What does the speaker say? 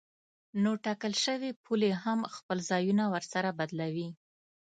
نو ټاکل شوې پولې هم خپل ځایونه ورسره بدلوي.